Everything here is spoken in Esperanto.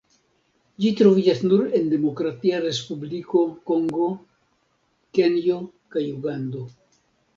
Ĝi troviĝas nur en Demokratia Respubliko Kongo, Kenjo kaj Ugando.